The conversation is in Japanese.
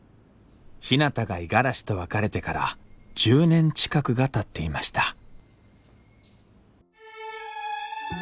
ひなたが五十嵐と別れてから１０年近くがたっていました